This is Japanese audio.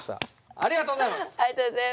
ありがとうございます。